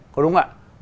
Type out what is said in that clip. có đúng không ạ